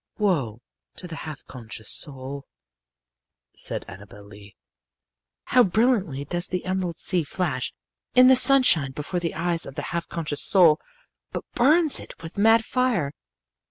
"Woe to the half conscious soul," said Annabel Lee. "How brilliantly does the emerald sea flash in the sunshine before the eyes of the half conscious soul! but burns it with mad fire.